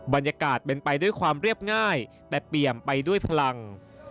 บรรยากาศเป็นไปด้วยความเรียบง่ายแต่เปี่ยมไปด้วยพลัง